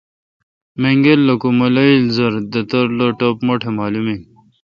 منگل کو مہ لییل زرہ۔ دھتر لو ٹپ مٹھ مالوم ان